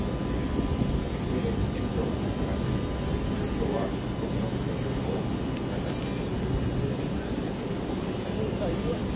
今日は僕の作業場を皆さんに初めて公開したいと思います。